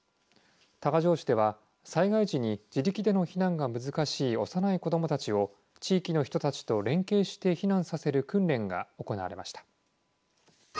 多賀城市では災害時に自力での避難が難しい幼い子どもたちを地域の人たちと連携して避難させる訓練が行われました。